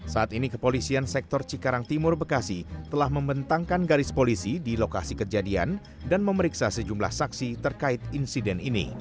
saat ini kepolisian sektor cikarang timur bekasi telah membentangkan garis polisi di lokasi kejadian dan memeriksa sejumlah saksi terkait insiden ini